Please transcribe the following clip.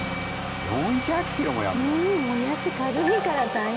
もやし軽いから大変。